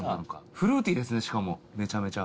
フルーティーですねしかもめちゃめちゃ。